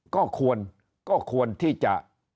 ก็ควรที่จะ